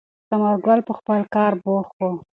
ثمر ګل په خپل کار بوخت و.